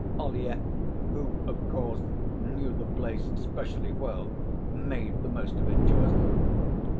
Ollyett, who, of course, knew the place specially well, made the most of it to us.